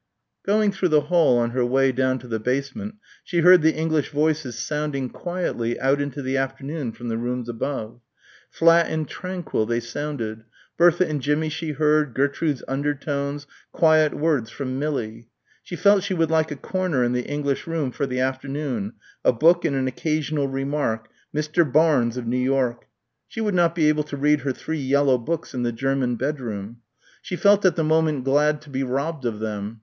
Going through the hall on her way down to the basement she heard the English voices sounding quietly out into the afternoon from the rooms above. Flat and tranquil they sounded, Bertha and Jimmie she heard, Gertrude's undertones, quiet words from Millie. She felt she would like a corner in the English room for the afternoon, a book and an occasional remark "Mr. Barnes of New York" she would not be able to read her three yellow backs in the German bedroom. She felt at the moment glad to be robbed of them.